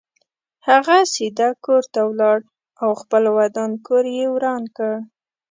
هغه سیده کور ته ولاړ او خپل ودان کور یې وران کړ.